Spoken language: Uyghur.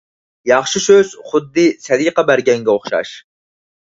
ياخشى سۆز خۇددى سەدىقە بەرگەنگە ئوخشاش.